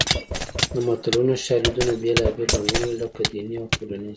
د متلونو شالیدونه بېلابېل رنګونه لري لکه دیني او ټولنیز